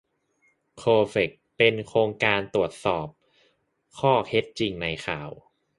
โคแฟค เป็นโครงการตรวจสอบข้อเท็จจริงในข่าว